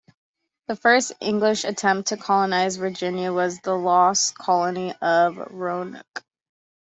The first English attempt to colonize Virginia was the "Lost Colony" of Roanoke.